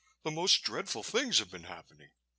The most dreadful things have been happening."